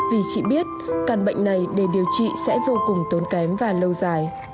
vì chị biết căn bệnh này để điều trị sẽ vô cùng tốn kém và lâu dài